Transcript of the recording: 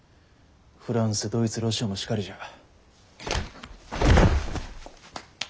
フランスドイツロシアもしかりじゃ。